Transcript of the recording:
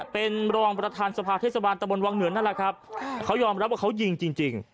เป็นรองประธานสภาเทศบาลตะบนวังเหนือนั่นแหละครับเขายอมรับว่าเขายิงจริง